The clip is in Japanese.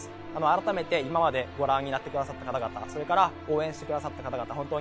改めて今までご覧になってくださった方々それから応援してくださった方々はい・お疲れさま！